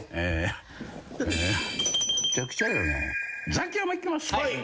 ザキヤマいきますか。